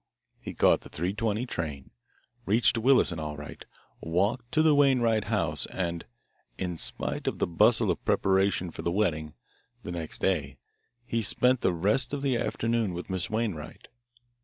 He caught the three twenty train, reached Williston all right, walked to the Wainwright house, and, in spite of the bustle of preparation for the wedding, the next day, he spent the rest of the afternoon with Miss Wainwright.